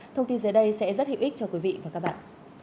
thông tin dưới đây sẽ rất hữu ích cho quý vị và các bạn